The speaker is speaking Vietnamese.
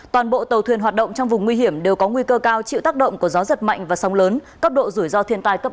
toàn bộ tàu thuyền hoạt động trong vùng nguy hiểm đều có nguy cơ cao chịu tác động của gió giật mạnh và sóng lớn cấp độ rủi ro thiên tai cấp ba